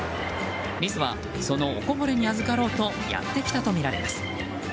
リスは、そのおこぼれにあずかろうとやってきたとみられます。